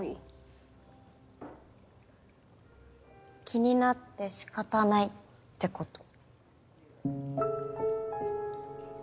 気になってしかたないってこと。